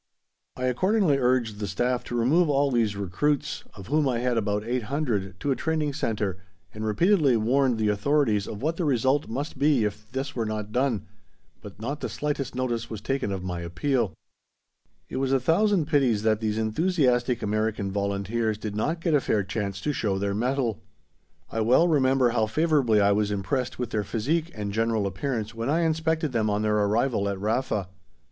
I accordingly urged the Staff to remove all these recruits, of whom I had about 800, to a training centre, and repeatedly warned the authorities of what the result must be if this were not done, but not the slightest notice was taken of my appeal. It was a thousand pities that these enthusiastic American volunteers did not get a fair chance to show their mettle. I well remember how favourably I was impressed with their physique and general appearance when I inspected them on their arrival at Rafa.